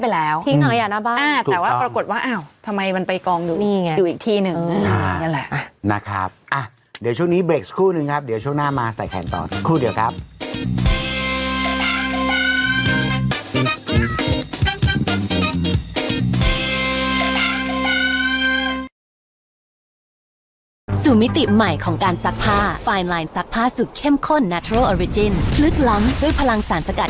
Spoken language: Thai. แล้วก็รวมถึงโทรศัพท์อีกหนึ่งเครื่อง